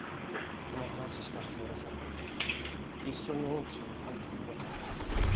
この話したら氷室さん一緒にオークションに参加させろって。